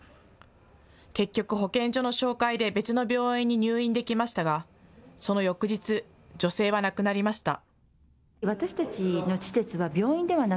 結局、保健所の紹介で別の病院に入院できましたがその翌日、女性は亡くなりました。